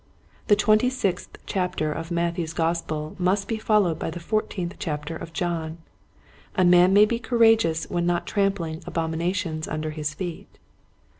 The twenty, sixth chapter of Matthew's Gospel must be followed by the fourteenth chapter of John. A man may be courageous when not trampling abominations under his feet.